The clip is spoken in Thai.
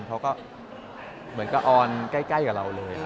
เค้าก็ออนใกล้กับเราเลย